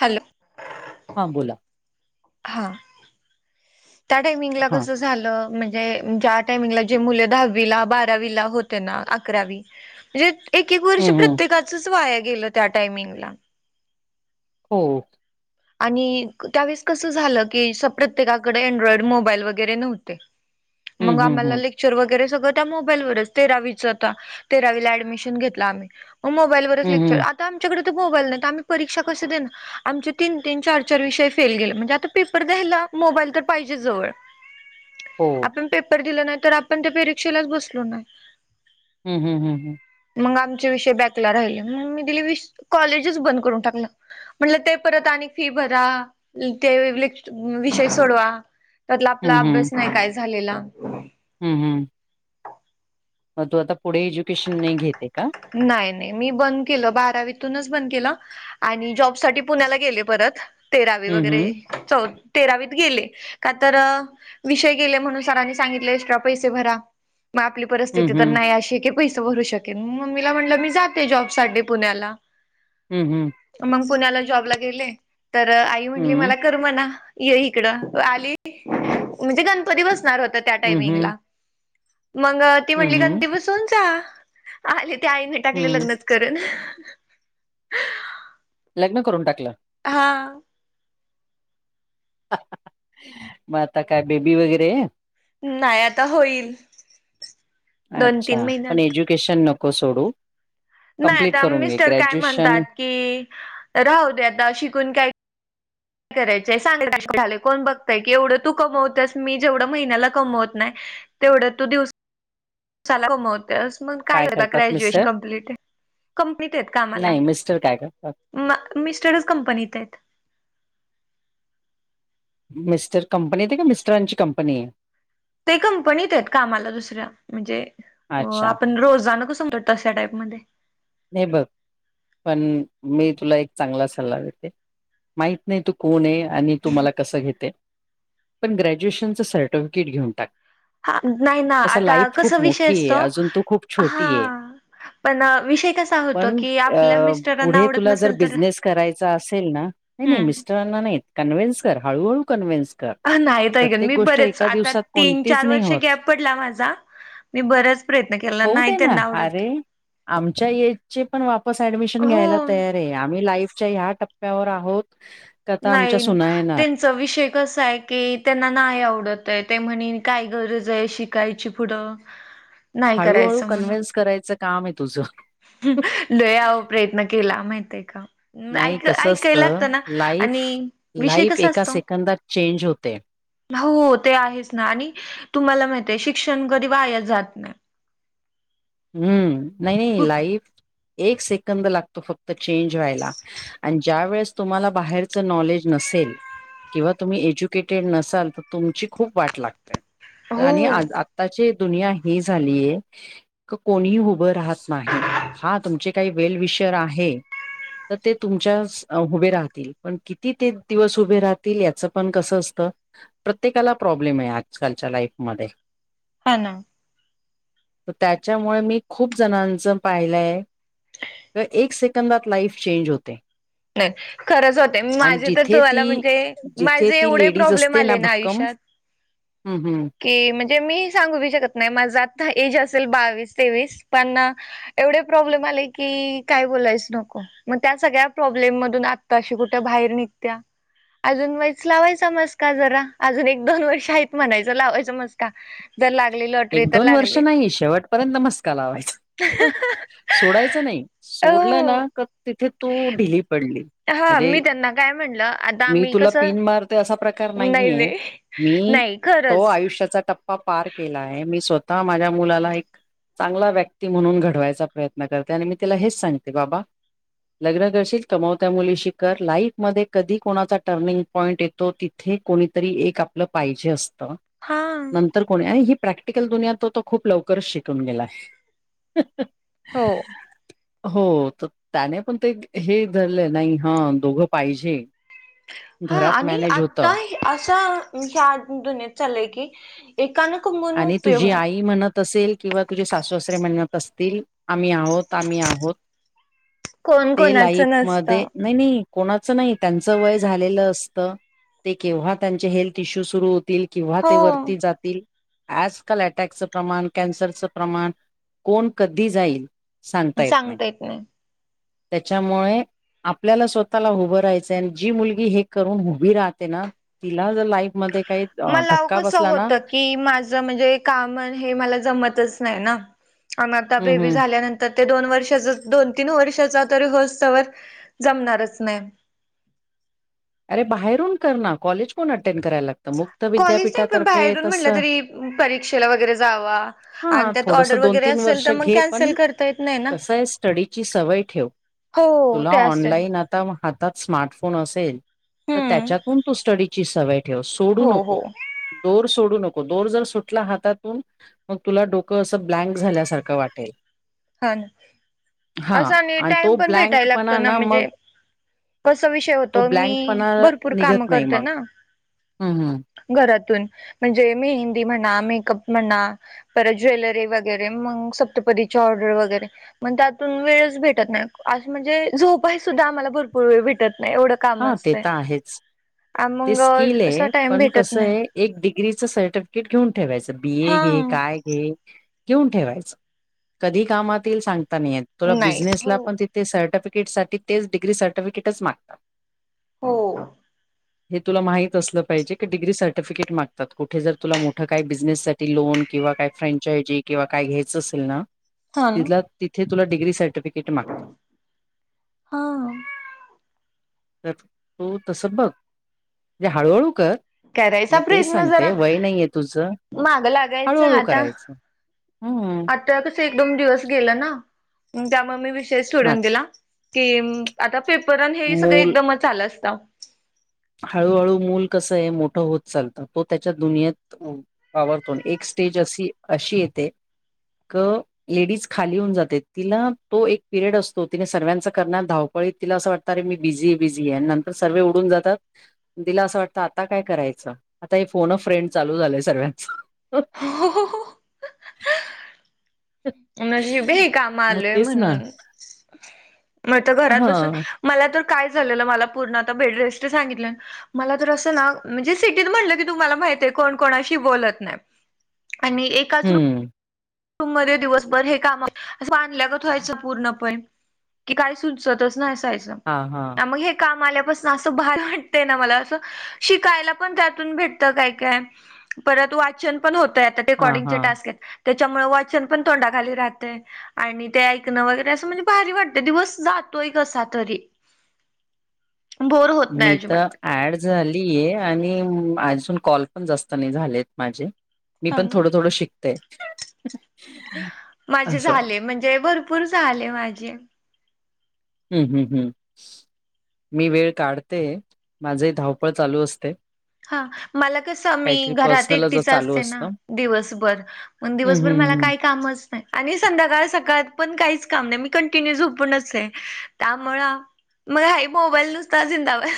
Hello. हा बोला. हा, त्या टायमिंग ला हां कस झालं, म्हणजे ज्या टायमिंगला जे मुले दहावीला बारावीला होते ना अकरावी म्हणजे एक-एक हं वर्ष हं प्रत्येकाचच वाया गेलं त्या टायमिंगला. हो. आणि, त्यावेळेस कसं झालं की असं प्रत्येकाकडे एंड्रॉयड मोबाईल वगैरे नव्हते. हं मग हं आम्हाला हं ले क्चर वगैरे सगळं त्या मोबाईल वरच तेरावीच तर तेरावीला ऍडमिशन घेतलं आम्ही. मोबाईल-वरच हं लेक्चर हं आता आमच्याकडे तर मोबाईल नाही तर आम्ही परीक्षा कस देणार आमचे तीन-तीन, चार-चार विषय फेल गेलं म्हणजे आता पेपर द्यायला मोबाईल तर पाहिजे जवळ. हो आपण पेपर दिला नाही तर आपण त्या परीक्षेलाच बसलो नाही. हम् हम् हम् हम् मग आमचे विषय बॅकला राहिले मग मी दिलं वि कॉलेजच बंद करून टाकलं. म्हटल ते परत आणि फी भरा, अन ते लेक्च विषय सोडवा. त्यातला हं आपला अभ्यास नाही काय झालेला. हम् हम् मग तू आता पुढे एज्युकेशन नही घेत हे का. नाही, नाय मी बंद केलं बारावीतूनच बंद केलं. आणि जॉब साठी पुण्याला गेले परत तेरावी हं हं वगैरे. चौ तेरावीत गेले, का तर विषय गेले म्हणून सरांनी सांगितले एक्स्ट्रा पैसे भरा, मग आपली हं परिस्थिती तर हं नाही अशी की पैसे भरू शकेल, मम्मीला म्हटलं मी जाते जॉब साठी पुण्याला. हम्म हम्म मग पुण्याला जॉबला गेले, तर आई म्हणली मला हं करमना ये इकड आली, म्हणजे गणपती बसणार होतेत. त्या हं हं टायमिंगला, मग ती हं म्हणली हं गणपती बसवून जा. आले, ते आईने टाकले हं लग्न करून. लग्न करून टाकलं. हा मग आता काय बेबी वगैरे हे. नाय, आता होईल. दोन अच्छा! तीन पण महिन्यात एज्युकेशन नको सोडू. न्हाय कंप्लीट आता करून घे मिस्टर काय म्हणतात ग्रॅज्युएशन की, राहू दे आता शिकून काय काय करायच सांगल का [unintelligible] कोण बघतय की एवढं तू कमवतेस मी जेवढं महिन्याला कमवत न्हाय तेवढं तू दिवस साला कमवत्यास मग काय करतात ग्रॅज्युवेशन मिस्टर? कंप्लिट कंपनीत आहेत कामाला नाही मिस्टर काय करतात? म मिस्टरच कंपनीत आहेत मिस्टर कंपनी हेत का मिस्टरांची कंपनी आहे? ते कंपनीत आहेत कामाला दुसऱ्या म्हणजे अच्छा आपण रोजाना कसं तश्या टाईपमध्ये हे बघ पण मी तुला एक चांगला सल्ला देते, माहित नाही तू कोण हे? आणि तु मला कसं घेते, पण ग्रॅज्युएशन च सर्टिफिकेट घेऊन टाक. हा! नाही ना, तसं आता लाईफ कसं खूप विषय मोठी आहे असतो. अजून तू खूप छोटी आहे. हा! पण, विषय कसं पण, पुढे तुला जर नसेल तर बिझनेस करायचा असेल ना हे नाही हम्म नाही. कन्वेंस कर, हळहळू कन्वेंस कर अ, नाहीत ऐकत प्रत्येक मी गोष्ट बरेच एका आता दिवसात तीन कोणतीच चार नाही वर्ष होत. गॅप पडला माझा मी बराच प्रयत्न केला होऊ नाही दे ना, त्यांना आवडत अरे आमच्या येज चे पण ऍडमिशन हो घ्यायला तयार आहे आम्ही लाईफच्या ह्या टप्प्यावर आहोत किं आता आमच्या सुना येणार चं विषय कसा आहे की त्यांना नाही आवडत आहे ते म्हणे काय गरज आहे शिकायची पुढं [unintelligible] हळूहळू करायचं म्हणून कन्व्हहेन्स करायचं काम आहे तुझं लय आओ प्रयत्न केला माहित आहे का नाही ऐक कसं ऐकायला असतं लागतं ना लाईफ आणि विषय लाईफ कसा एका असतो सेकंदात चेंज होते. हो ते आहेच ना आणि तुम्हाला माहीतीय शिक्षण कधी वाया जात नाही हम्म नाही नाही कुठ लाईफ एक सेकंद लागतो फक्त चेंज व्हायला आणि ज्या वेळेस तुम्हाला बाहेरच नॉलेज नसेल किंवा तुम्ही एज्युकेटेड नसाल तर तुमची खूप वाट लागते आणि हो. आत्ताची दुनिया ही झालीय कोणीही उभं राहत नाही हा तुमचे काही वेल विषर आहे तर ते तुमच्या उभे राहतील पण किती ते दिवस उभे राहतील याचं पण कसं असतं प्रत्येकाला प्रॉब्लेम आहे आजकालच्या लाईफमध्ये हा ना तर त्याच्यामुळे मी खूप जणांचं पाहिलंय तर एक सेकंदात लाईफ चेंज होते नाही खरंच होते आणि माझे तर जिथे तुम्हाला ती म्हणजे जिथे माझे ती एवढे लेडीज प्रॉब्लेम आले ना आयुष्यात ह हम हम की म्हणजे मी सांगू बि शकत नाही माझं आता एज असेल बावीस तेवीस पण एवढे प्रॉब्लेम आले की काय बोलायच नको मग त्या सगळ्या प्रॉब्लेम मधून आताशी कुठे बाहेर निघत्या अजून व्हाच लावायचा मस्का जरा अजून एक दोन वर्ष आहेत म्हणायचं लावायचं मस्त का जर लागलेल एक दोन वर्ष नाही शेवटपर्यंत मस्का लावायचा सोडायचं नाही सोडलं ना हो तिथे तो ढिली पडली हा म्हणजे मी त्यांना काय म्हणलं आता मी आम्ही तुला कसं पिन मारते असा प्रकार नाही मी नाही तो खरंच आयुष्याचा टप्पा पार केलाय आहे मी स्वतः माझ्या मुलाला एक चांगला व्यक्ती म्हणून घडवायचा प्रयत्न करते आणि मी तिला हेच सांगते बाबा लग्न करशील कमवत्या मुलीशी कर लाईफ मध्ये कधी कोणाचा टर्निंग पॉईंट येत तो तिथे कोणीतरी एक आपलं पाहिजे असतं. हा. तर कोणी आणि ही प्रॅक्टिकल दुनिया तो खूप लवकरच शिकून गेलाय. हो. हो तर त्याने पण ते हे धरलं नाही हा दोघं पाहिजे. हा घरात आणि मॅनेज आता होतं हे असा ह्या दुनियात चालय की एकानं कमून उपयोग नाही. तसेल किंवा तुझे सासूसरे म्हणत असतील. आम्ही आहोत. आम्ही आहोत. कोण ते कोणाचं लाईफमध्ये नसतं नाही नाही कोणाच नाही त्यांचं वय झालेलं असतं. ते केव्हा त्यांचे हेल्थ इश्यू सुरू होतील किंव्हा हो ते वरती जातील. आजकाल अटॅकचं प्रमाण कॅन्सरचं प्रमाण कोण कधी जाईल सांगता येत नाही त्याच्यामुळे आपल्याला स्वतःला उभं राहायचंय आणि जी मुलगी हे करून उभी राहते ना तिला जर लाईफ मध्ये काही धक्का बसला ना. स म्हंजे काम न हे मला जमतच नाही ना. आन आता हम्म हम्म बेबी झाल्या नंत तर ते दोन वर्षाचा दोन तीन वर्षाचा तरी हो सवर जमणारच नाही. अरे बाहेरून करणा कॉलेज कोण अटेंड करायला लागत. कॉलेज नाही पण बाहेरून म्हटलं तरी परीक्षेला वगैरे जावा. आणि हां, त्यात थोडंसं ऑर्डर वगैरे असेल वर्ष तर मग घे, पण कॅन्सल करता येत नाही ना. कसं आहे स्टडीची सवय ठेव. हो तुला ते असतय. ऑनलाईन आता म हातात स्मार्टफोन असेल. तर हम्म त्याच्यातून तू स्टडीची सवय ठेव सोडू हो नको. हो दोर सोडू नको. दोर जर सुटला हातातून मग तुला डोक असं ब्लँक झाल्यासारखं वाटेल. हा ना हां असा आणि टाइम तो पण भेटायला लागतो ब्लँकपणा ना मग म्हणजे. कस विषय तो होतो मी ब्लँकपणा भरपूर काम निघत नाही करते मग. ना हं, हं. - - घरातून म्हणजे मेहंदी म्हणा. मेकअप म्हणा. परत ज्वेलरी वग वगैरे मग सप्तपदीची ऑर्डर वगैरे. मग त्यातून वेळच भेटत नाही असं म्हणजे झोपाय सुद्धा आम्हाला भरपूर वेळ भेटत नाही एवढं काम हा ते असतय तर आहेच. ते मग स्किल असा आहे टाइम पण भेटत कसं नाही. आहे एक डिग्रीचं सर्टिफिकेट घेऊन ठेवायचं. बी ए हा. घे काय घे घेऊन ठेवायचं कधी कामात येईल सांगता नाही येत तुला नाही. हो बिझनेसला पण ते ते सर्टीफीकेट साठी तेच डिग्री सर्टिफिकेटच मागतात. हो. हे तुला माहित असल पाहिजे की डग्री सर्टिफिकेट मागतात कुठे जर तुला मोठं काय बिझनेस साठी ती लोन किंवा काय फ्रँचायजी किंवा काय घ्यायचं असेल ना हा ना. तिथला तिथे तुला डिग्री सर्टिफिकेट मागतात. हां. तर तू तस बघ. म्हणजे हळूहळू कर. करायचा मी तेच प्रयत्न जरा सांगते वय नाहीये तुझं माग लागायचा हळूहळू करायचं. हम्. त्यावेळी कस एक एकदम दिवस गेलं ना त्यामुळे मी विषयच हा सोडून दिला की आता पेपरन हे सगळं मूल एकदमच आलं असतं. हळूहळू मूल कसं हे मोठं होत चालतं. तो त्याच्या दुनियेत वावरतो एकस्टेज अशी अशी येते क लेडीज खाली होऊन जाते. तिला तो एक पिरियड असतो. तिने सर्व्यांचा करणार धाव तिला असं वाटतं रे मी बिझी आहे. बिझी आहे. नंतर सर्वे उडून जातात. तिला असं वाटतं. आता काय करायचं. आता हे फोन अ र्फ्रेंड चालू झालंय. सगळ्यांच हो हो. नशिब आहे हे काम मग आलय, तेच ना म्हणून मग तर घरात हा बसून मला तर काय झालेलं मला तर पूर्ण आता बेडरेस्ट सांगितलं. मला तर असं ना म्हणजे सिटीत म्हटलं ना की तुम्हाला माहिती आहे कोण कोणाशी बोलत नाही. आणि एक हम्म रुम मध्ये दिवसभर हे काम अस बांधल्यागत व्हायचं पूर्णपणे की काय सुचत च नसायचं. हा हा. मग हे काम आल्यापासन असं भारी वाटतय ना मला असं शिकायला पण त्यातून भेटत. काय काय परत वाचन पण होतय. आता हा रेकॉर्डिंग चे हा टास्क आहेत. त्याच्यामुळे वाचन पण तोंडाखाली राहते. आणि ते ऐकणं वगैरे असं म्हणजे. भारी वाटत. दिवस जातोय. कसा तरी बोर होत नाही मी, तर अजिबात. ऍड झाली आहे. आणि अजून कॉल पण जास्त नाही झालेत. माझे मी हा पण ना. थोडं थोडं शिकते. माझे असं झाले म्हणजे भरपूर झाले माझे हम्म हम्म हम् मी वेळ काढते. माझे धावपळ चालू असते. हा मला कसं मी काहीतरी घरात पर्सनलच एकटीच चालू असते ना असतं. दिवसभर मग हम्म दिवसभर हम्म मला हम्म. काय कामच नाही आणि संध्याकाळ सकाळ पण काहीच काम नाही मी कंटिन्यू झोपूनच आहे त्यामुळ मग हाई मोबाईल नुसता जिंदाबाद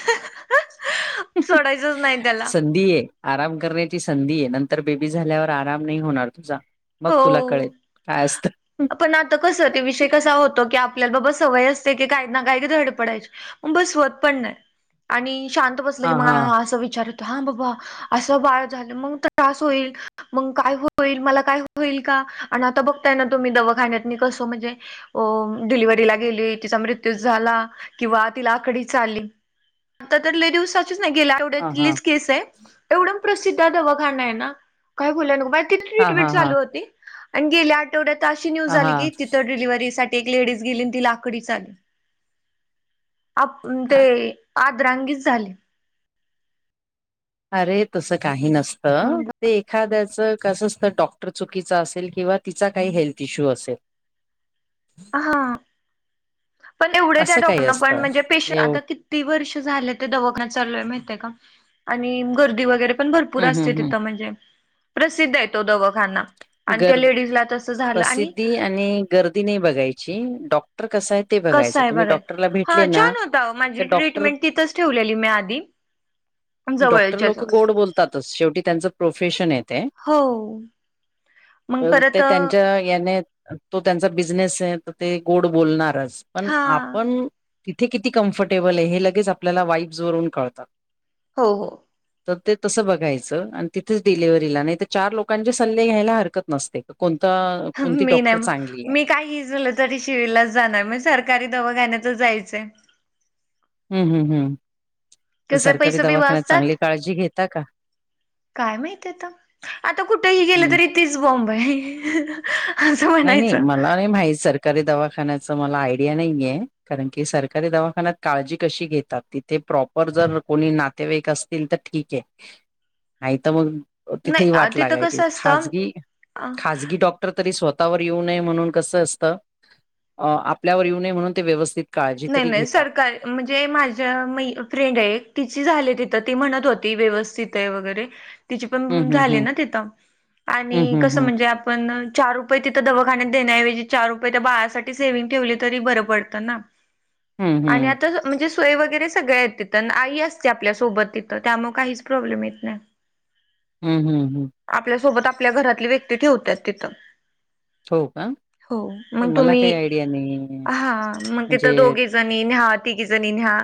हम हम सोडायचंच नाही त्याला संधीये आराम करण्याची संधी ये नंतर बेबी झाल्यावर आराम नाही होणार तुझा. मग तुला कळेल हो काय असतं. पण आता कसं ते विषय कसा हो तो की आपल्या ब ब सवय असते की काही ना काय की धड पडायची मग बसवत पण नाही. आणि शांत बसलं की म हा हा असं विचार येतो. हा बाबा असं बाळ झालं, मग त्रास होईल मग काय होईल मला काय हो होईल का आणि आता बघताय ना तुम्ही दवाखाण्यात मी कस म्हणजे अ डिलिव्हरीला गेली तिचा मृत्यू झाला किंवा तिला आकडीच आली. आता तर लई दिवसाचीच नाही गेल हा हा त्यातलीच केस आहे. एवढा प्रसिद्ध दवाखाना ये ना! काय बोलायलो नको बाई तिथली हा हा ट्रिटमेंट हा आणि गेल्या आठवड्यात तर अशी न्यूज आलीकी हा तिथं डिलिव्हरीसाठी एक लेडीज गेली ती लाकडी चाल [unintelligible] आपण ते हा आदरांगीत झाली. अरे तसं काही नसतं ते एखाद्याच कस असत डॉक्टर चुकीचा असेल किंवा तिचा काही हेल्थ इश्यू असेल. हा पण एवढे त्या असं काही डॉक्टरना असतं. पणजे पेशंट एव आता किती वर्ष झाले ते दवाखाना चालूय माहितीये का आणि गर्दी वगैरे पण भरपूर हं, हं, असते हं. तिथं म्हणजे प्रसिद्ध ये तो दवाखाना. आणि त्या गर लेडीज ला तसं झालं आणि प्रसिद्धी आणि गर्दी नाही बघायची डॉक्टर कसाय कसं आहे बघायच हा छान होता का माझी डॉक्टर ट्रीटमेंट तिथंच ठेवलेली मी आधी डॉक्टर जवळच्या लोक जवळ गोड बोलतातच शेवटी त्यांच प्रोफेशन आहे ते हो. मग तर ते परत त्यांच्या याने तो त्यांचा बिझनेस ये तर ते गोड बोलणारच पण हा आपण तिथे किती कम्फर्टेबलये हे लगेच आपल्याला वाईब्ज वरून कळत. हो हो. तर ते तसं बघायचं आणि तिथेच डिलिव्हरी ला नाही तर चार लोकांच्या सल्ले घ्यायला हरकत नसते कोणत मी नाही मी काय इजलं तरी सिव्हिल लाच जाणार म्हणजे सरकारी दवाखाण्यातच जायचंय हम्, हम्, हम् पण कसं सरकारी पैसे बी दवाखान्यात चांगली वाचतात काळजी घेता का काय माहित आता आता कुठेही गेलं हम्म तरी तीच बोंब ये नाही, नाही मला नाही माहित सर रकारी दवाखान्याच मला आयडिया नाहीये कारण की सरकारी दवाखान्यात काळजी कशी घेतात ती ते प्रॉपर जर कोणी नातेवाईक असतील तर ठीक आहे नाही तर मग तिथेही नाही वाट तिथं लागायची कसं असतं खाजगी, अ खाजगी डॉ तरी स्वतःवर येऊ नये म्हणून कसं असतं आपल्यावर येऊ नये म्हणून ते व्यवस्थित काळजी नाही तरी नाही घेतात. सरकारी म्हणजे माझ्या मै फ्रेंड ये एक तिची झाली तिथं ती म्हणत होती व्यवस्थित आहे वगैरे तिची हम्म पण हम्म हम्म झाली ना तिथं आणि हं, हं, कसं हं. म्हणजे आप पण चार रुपये तिथं दवाखान्यात देण्याऐवजी चार रुपये त्या बाळासाठी सेव्हिंग ठेवली तरी बरं पडतं ना हं, आणि हं. आता म्हणजे सोय वगैरे सगळे आहेत तिथं आई असते आपल्यासोबत तिथं त्यामुळे काहीच प्रॉब्लेम येत नाही हम्, ह, ह, ह आपल्यासोबत आपल्या घरातली व्यक्ती ठेवत्यात तिथं हो का? हो मग नाही मला तुम्ही काही आयडिया नाहीये. हा मग ते म्हणजे जणी न्हा तिघी जणी न्हा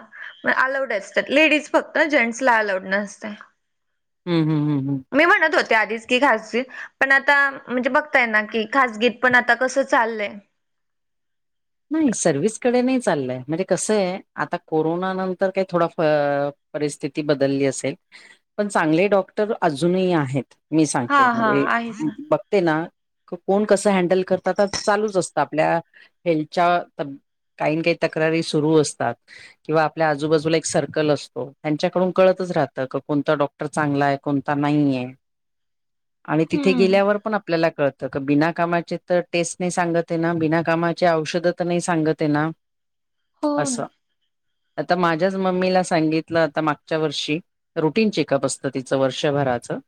म अलाऊड असतात लेडीज फक्त जेंट्स ला अलाउड नसतय ह, ह, ह, ह मी म्हणत होते आधीच की खासगीत पण आता म्हणजे बघताय ना की खासगीत पण आता कसं चाललंय नाही सर्विहस कडे नाही चाललंय म्हणजे कसं आहे आता कोरोना नंतर काही थोडा फ परिस्थिती बदलली असेल पण चांगले डॉक्टर अजूनही आहेत मी सांगते हा हा म्हणजे आहेच ना बघते ना कोण कसं हँडल करतात चालूच असतं आपल्या हेल्थच्या काही न काही तक्रारी सुरू असतात किंवा आपल्या आजूबाजूला एक सर्कल असतो त्यांच्याकडून कळतच राहतं का कोणतं डॉक क्टर चांगला आहे कोणता नाहीये [unintelligible] आणि तिथे हम्म गेल्यावर पण आपल्याला कळत तर बिना कामाचे तर टेस्ट नाही सांगत आहे ना बिना कामाचे औषधं तर नाही सांगत ये ना हो असं आता माझ्याच मम्मीला सांगितलं आता मागच्या वर्षी रुटीन चेकअप असत तीचं वर्षभराचं